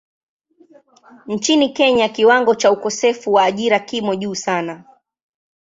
Nchini Kenya kiwango cha ukosefu wa ajira kimo juu sana.